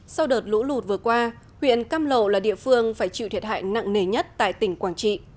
sau đợt lũ lụt vừa qua huyện cam lộ là địa phương phải chịu thiệt hại nặng nề nhất tại tỉnh quảng trị